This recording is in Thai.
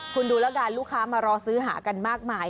คุณดูแล้วกันลูกค้ามารอซื้อหากันมากมาย